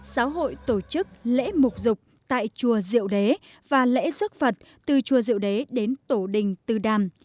giáo hội tổ chức lễ mục dục tại chùa diệu đế và lễ giấc phật từ chùa diệu đế đến tổ đình tư đàm